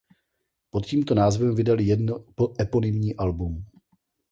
Pod tímto názvem vydali jedno eponymní album.